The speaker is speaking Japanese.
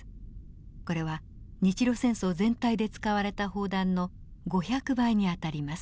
これは日露戦争全体で使われた砲弾の５００倍にあたります。